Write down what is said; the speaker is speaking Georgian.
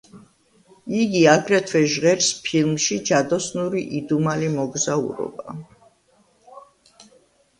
იგი აგრეთვე ჟღერს ფილმში „ჯადოსნური იდუმალი მოგზაურობა“.